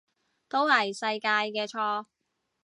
都係世界嘅錯